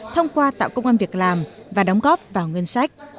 thông qua tạo công an việc làm và đóng góp vào ngân sách